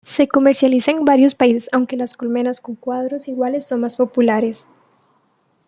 Se comercializa en varios países aunque las colmenas con cuadros iguales son más populares.